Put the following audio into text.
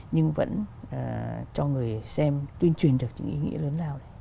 nhưng vẫn cho người xem tuyên truyền được những ý nghĩa lớn lao